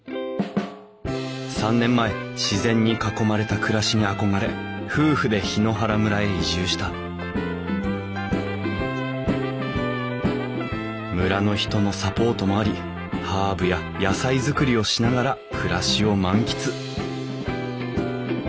３年前自然に囲まれた暮らしに憧れ夫婦で檜原村へ移住した村の人のサポートもありハーブや野菜作りをしながら暮らしを満喫